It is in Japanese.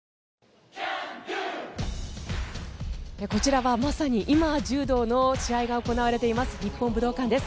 こちらはまさに今柔道の試合が行われています日本武道館です。